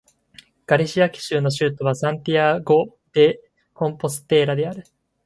ガリシア州の州都はサンティアゴ・デ・コンポステーラである